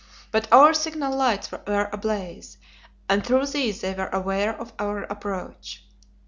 But our signal lights were ablaze, and through these they were aware of our approach.